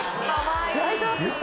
ライトアップした。